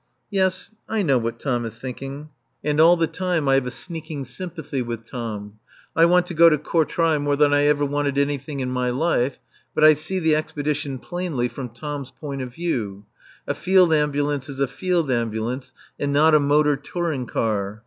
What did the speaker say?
Yes, I know what Tom is thinking. And all the time I have a sneaking sympathy with Tom. I want to go to Courtrai more than I ever wanted anything in my life, but I see the expedition plainly from Tom's point of view. A field ambulance is a field ambulance and not a motor touring car.